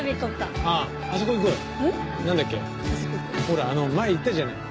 ほら前に行ったじゃない。